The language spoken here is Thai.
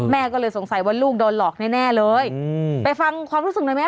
แม่ก็เลยสงสัยว่ารูกโดนหลอกแน่แน่เลยอืมไปฟังความรู้สึ